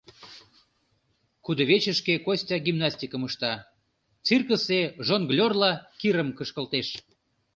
Кудвечышке Костя гимнастикым ышта, циркысе жонглерла кирам кышкылтеш.